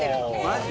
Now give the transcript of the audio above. マジ？